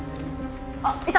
あっいた！